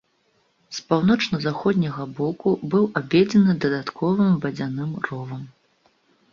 З паўночна-заходняга боку быў абведзены дадатковым вадзяным ровам.